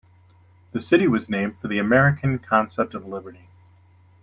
The city was named for the American concept of liberty.